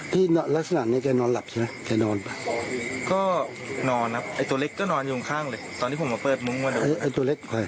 ตัวเล็กก็นอนอยู่ข้างเลยตอนที่ผมเปิดมุมมาดู